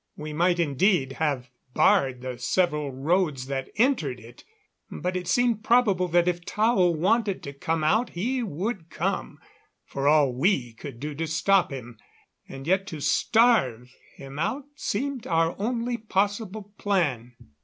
We might, indeed, have barred the several roads that entered it, but it seemed probable that if Tao wanted to come out he would come, for all we could do to stop him. And yet to starve him out seemed our only possible plan.